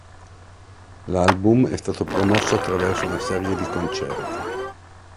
L'album è stato promosso attraverso una serie di concerti.